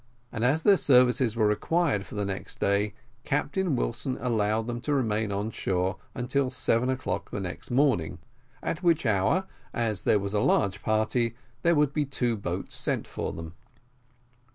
And as their services were required for the next day, Captain Wilson allowed them to remain on shore until seven o'clock the next morning, at which hour, as there was a large party, there would be two boats sent for them.